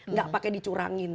nggak pakai dicurangin